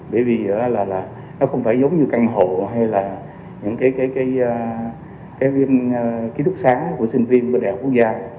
bởi vì nó không giống như căn hộ hay là những cái ký đức sáng của sinh viên của đại học quốc gia